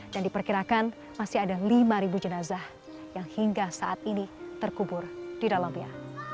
dan diperkirakan masih ada lima jenazah yang hingga saat ini terkubur di dalamnya